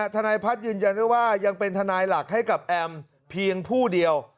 ทนายพัฒน์ยืนยันด้วยว่ายังเป็นทนายหลักให้กับแอมเพียงผู้เดียว